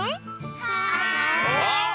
はい！